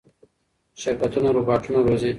شرکتونه روباټونه روزي.